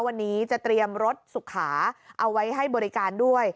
วันนี้จะเตรียมรถสุขาเอาไว้ให้บริการด้วย